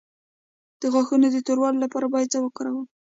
د غاښونو د توروالي لپاره باید څه شی وکاروم؟